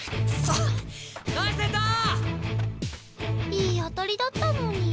いいあたりだったのにィ。